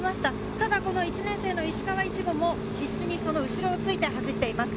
ただ、この１年生の石川苺も必死に、その後ろをついて走っています。